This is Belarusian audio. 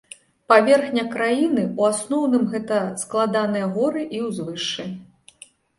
Паверхня краіны ў асноўным гэта складаныя горы і ўзвышшы.